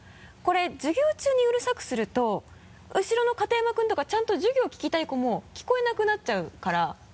これ授業中にうるさくすると後ろの片山君とかちゃんと授業聞きたい子も聞こえなくなっちゃうから。